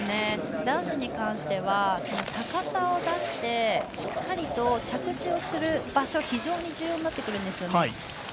男子に関しては高さを出してしっかりと着地をする場所が非常に重要になってくるんですよね。